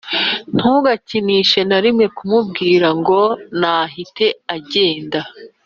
ntugakinishe na rimwe kumubwira ngo nahite agenda